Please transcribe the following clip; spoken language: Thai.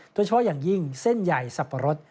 โดยเฉพาะอย่างยิ่งเส้นใหญ่สับปะรด